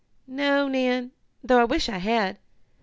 "No, Nan, though I wish I had.